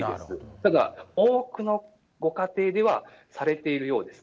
ただ、多くのご家庭ではされているようです。